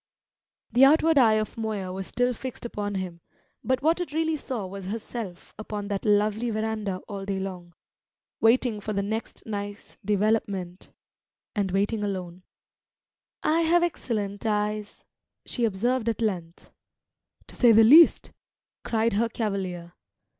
The outward eye of Moya was still fixed upon him, but what it really saw was herself upon that lonely verandah all day long waiting for the next nice development and waiting alone. "I have excellent eyes," she observed at length. "To say the least!" cried her cavalier.